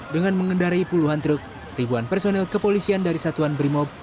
dengan mengendari puluhan truk ribuan personil kepolisian dari satuan brimob